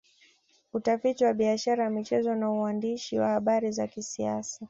Utafiti wa biashara michezo na uandishi wa habari za kisiasa